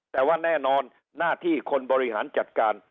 แต่ว่าแน่นอนหน้าที่คนบริหารจัดการ